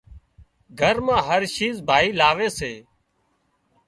گھر مان هر شيز ڀائي لاوي سي